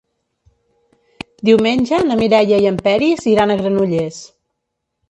Diumenge na Mireia i en Peris iran a Granollers.